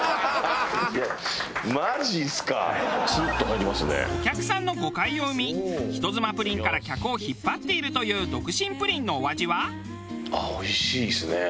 「」お客さんの誤解を生み人妻プリンから客を引っ張っているという独身プリンのお味は？